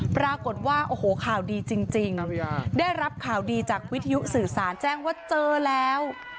ปรากฏว่าโอ้โหข่าวดีจริงได้รับข่าวดีจากวิทยุสื่อสารแจ้งว่าเจอแล้ว